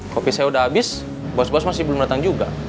kopi saya sudah habis bos bos masih belum datang juga